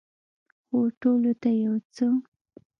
هو، ټولو ته یو څه